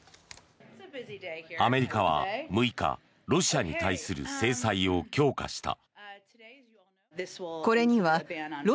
アメリカは６日ロシアに対する制裁を強化した。